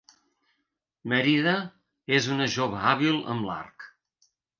Mèrida és una jove hàbil amb l'arc.